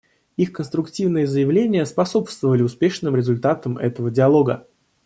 Их конструктивные заявления способствовали успешным результатам этого Диалога.